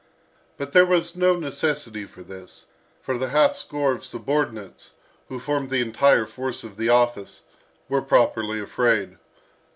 But there was no necessity for this, for the halfscore of subordinates, who formed the entire force of the office, were properly afraid.